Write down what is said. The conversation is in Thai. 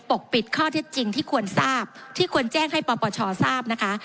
กปิดข้อเท็จจริงที่ควรทราบที่ควรแจ้งให้ปปชทราบนะคะ